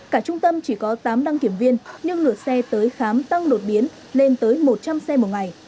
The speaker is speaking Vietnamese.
cả trung tâm chỉ có tám đăng kiểm viên nhưng lượt xe tới khám tăng đột biến lên tới một trăm linh xe một ngày